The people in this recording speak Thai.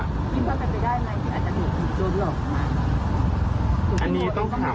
คุณว่าจะได้อะไรที่อาจจะเหงื่อผิดโดยรอบงาน